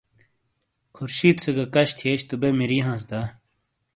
خورشید سے گہ کَش تھِئیش تو بے مِری ہانس دا۔